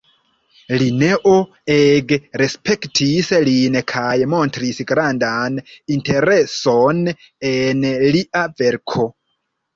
Lineo ege respektis lin kaj montris grandan intereson en lia verko.